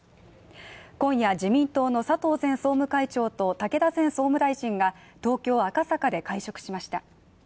今夜、自民党の佐藤前総務会長と武田前総務大臣が東京・赤坂で会食しました。